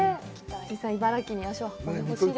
実際、茨城に足を運んでほしいです。